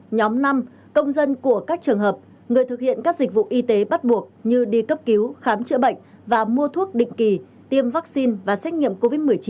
nhóm năm công dân của các trường hợp người thực hiện các dịch vụ y tế bắt buộc như đi cấp cứu khám chữa bệnh và mua thuốc định kỳ tiêm vaccine và xét nghiệm covid một mươi chín